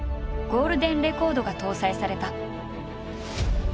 「ゴールデンレコード」が搭載された。